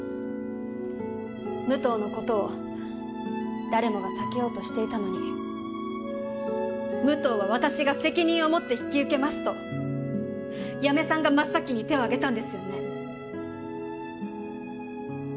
武藤のことを誰もが避けようとしていたのに「武藤は私が責任を持って引き受けます」と八女さんが真っ先に手を挙げたんですよね？